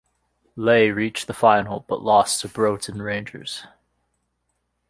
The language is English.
Leigh reached the final but lost to Broughton Rangers.